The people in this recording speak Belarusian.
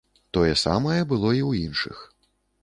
Тое самае было і ў іншых.